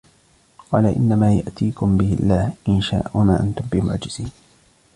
قَالَ إِنَّمَا يَأْتِيكُمْ بِهِ اللَّهُ إِنْ شَاءَ وَمَا أَنْتُمْ بِمُعْجِزِينَ